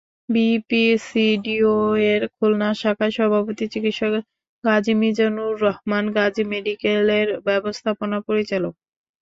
বিপিসিডিওএর খুলনা শাখার সভাপতি চিকিৎসক গাজী মিজানুর রহমান গাজী মেডিকেলের ব্যবস্থাপনা পরিচালক।